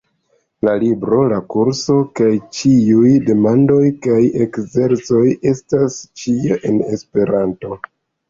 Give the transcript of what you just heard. La libro, la kurso, kaj ĉiuj demandoj kaj ekzercoj estas ĉio en Esperanto.